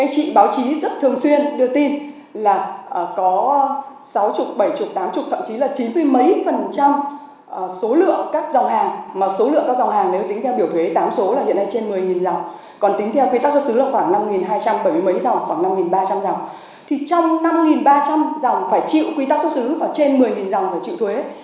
phải chịu quy tắc xuất xứ và trên một mươi dòng phải chịu thuế